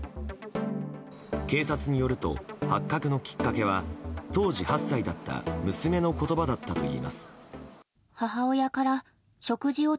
警察によると発覚のきっかけは当時８歳だった娘の言葉だったといいます。